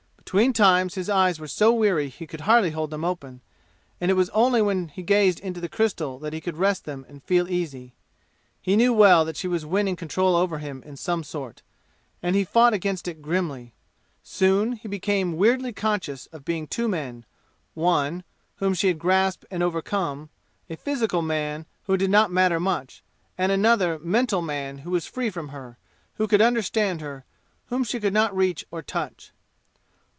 Between times his eyes were so weary he could hardly hold them open, and it was only when he gazed into the crystal that he could rest them and feel easy. He knew well that she was winning control over him in some sort, and he fought against it grimly. Soon he became weirdly conscious of being two men one, whom she had grasped and overcome, a physical man who did not matter much, and another, mental man who was free from her, who could understand her, whom she could not reach or touch.